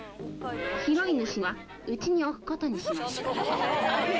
拾い主はうちに置くことにしました。